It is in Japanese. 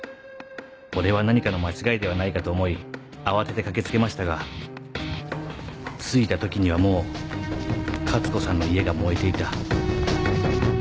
俺は何かの間違いではないかと思い慌てて駆けつけましたが着いた時にはもう勝子さんの家が燃えていた。